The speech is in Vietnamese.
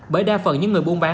bởi đa phần những người buôn bán